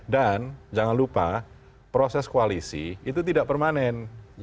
dan jangan lupa proses koalisi itu tidak permanen